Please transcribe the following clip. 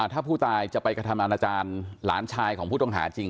ถ้าผู้ตายจะไปกระทำอาณาจารย์หลานชายของผู้ต้องหาจริง